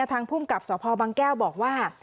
ทางภูมิกับสพบางแก้วบอกว่า